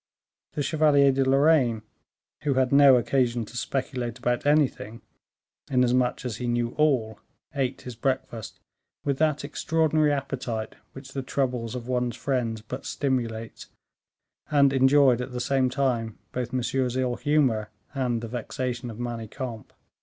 The Chevalier de Lorraine, who had no occasion to speculate about anything, inasmuch as he knew all, ate his breakfast with that extraordinary appetite which the troubles of one's friends but stimulates, and enjoyed at the same time both Monsieur's ill humor and the vexation of Manicamp.